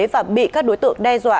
và bị các đối tượng đe dọa